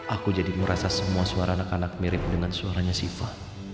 aku jadi merasa semua suara anak anak mirip dengan suaranya siva